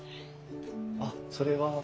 あっそれは？